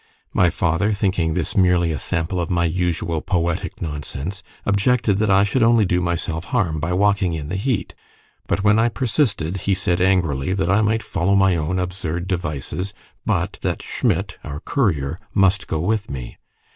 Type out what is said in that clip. My father, thinking this merely a sample of my usual "poetic nonsense," objected that I should only do myself harm by walking in the heat; but when I persisted, he said angrily that I might follow my own absurd devices, but that Schmidt (our courier) must go with me.